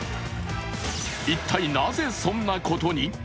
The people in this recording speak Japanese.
一体なぜそんなことに？